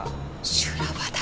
修羅場だ。